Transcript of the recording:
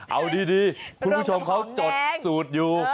เอาดีคุณผู้ชมเขาจดสูตรอยู่